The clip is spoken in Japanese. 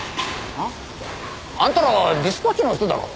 はあ？あんたらディスパッチの人だろ？